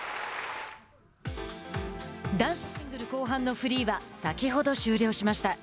男子シングル後半のフリーは先ほど終了しました。